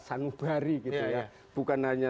sanubari gitu ya bukan hanya